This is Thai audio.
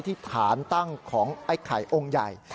ที่ฐานตั้งของไอ้ไข่องค์ใหญ่